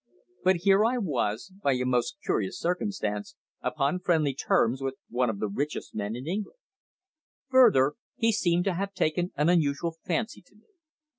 But here I was, by a most curious circumstance, upon friendly terms with one of the richest men in England. Further, he seemed to have taken an unusual fancy to me.